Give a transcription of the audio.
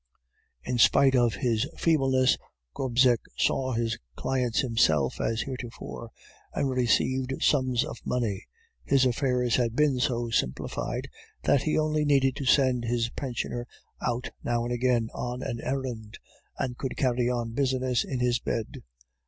In spite of his feebleness, Gobseck saw his clients himself as heretofore, and received sums of money; his affairs had been so simplified, that he only needed to send his pensioner out now and again on an errand, and could carry on business in his bed.